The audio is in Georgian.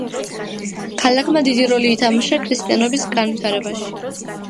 ქალაქმა დიდი როლი ითამაშა ქრისტიანობის განვითარებაში.